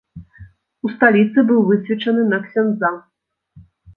У сталіцы быў высвечаны на ксяндза.